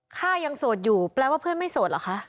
ข้ายังโสดอยู่แปลว่าเพื่อนไม่โสดเหรอคะ